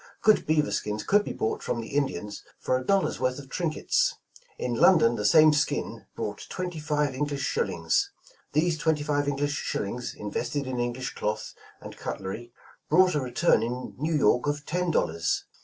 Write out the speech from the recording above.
Good beaver skins could be bought from the Indians for a dollar's worth of trinkets. In London the same skin brought twenty five English shillings. These twenty five English shillings invested in English cloth and cutlery, brought a return in New York of ten dol lars.